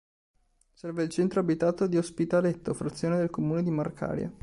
Serve il centro abitato di Ospitaletto, frazione del comune di Marcaria.